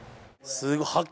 すごい。